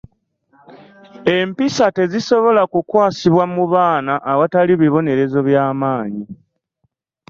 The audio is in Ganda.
Empisa tezisobola kukwasibwa mu baana awatali bibonerezo bya maanyi.